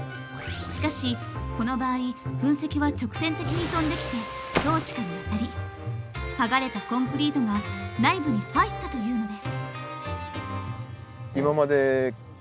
しかしこの場合噴石は直線的に飛んできてトーチカに当たり剥がれたコンクリートが内部に入ったというのです。